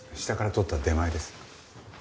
下から取った出前です。